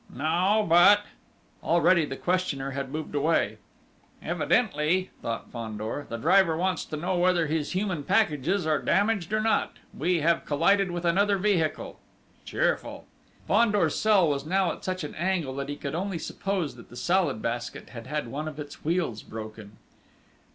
"No, but ..." Already the questioner had moved away. "Evidently," thought Fandor, "the driver wants to know whether his human packages are damaged or not! We have collided with another vehicle!... Cheerful!" Fandor's cell was now at such an angle that he could only suppose that the Salad Basket had had one of its wheels broken.